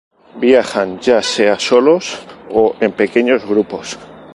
Viajan ya sea solos o en pequeños grupos.